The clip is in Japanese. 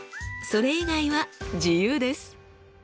それ以外は自由です。